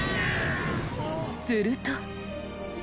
すると。